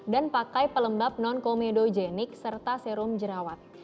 dan pakai pelembab non comedogenik serta serum jerawat